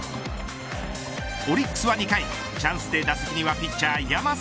オリックスは２回チャンスで打席にはピッチャー山崎